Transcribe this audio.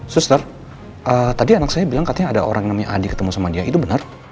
suster tadi anak saya bilang katanya ada orang yang namanya adi ketemu sama dia itu benar